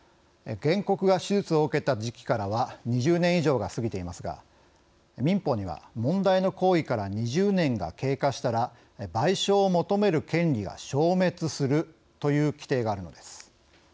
原告が手術を受けた時期からは２０年以上が過ぎていますが民法には、問題の行為から２０年が経過したら賠償を求める権利が消滅するという規定があるのです。